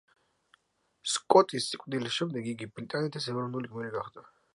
სკოტის სიკვდილის შემდეგ იგი ბრიტანეთის ეროვნული გმირი გახდა.